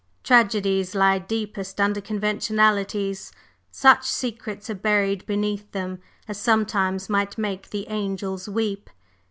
Tragedies lie deepest under conventionalities such secrets are buried beneath them as sometimes might make the angels weep!